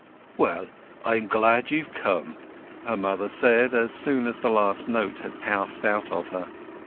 "Well, I'm glad you've come," her mother said, as soon as the last note had passed out of her.